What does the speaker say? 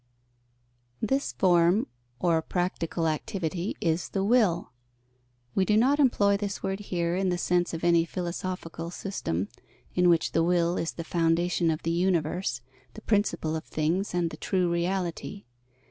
_ This form or practical activity is the will. We do not employ this word here in the sense of any philosophical system, in which the will is the foundation of the universe, the principle of things and the true reality.